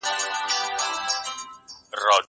زه چپنه پاک کړې ده؟!